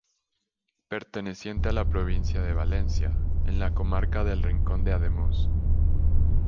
Perteneciente a la provincia de Valencia, en la comarca del Rincón de Ademuz.